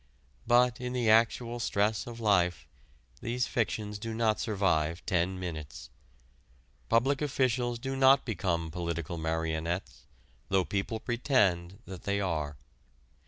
But in the actual stress of life these frictions do not survive ten minutes. Public officials do not become political marionettes, though people pretend that they are.